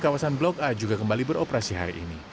kawasan blok a juga kembali beroperasi hari ini